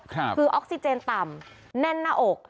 คือออกซิเจนต่ำแน่นหน้าอก